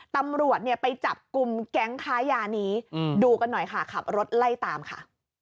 ตำรวจเนี่ยไปจับกลุ่มแก๊งค้ายานี้ดูกันหน่อยค่ะขับรถไล่ตามค่ะ